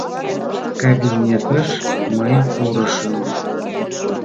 Кабинетыш мый пурышым.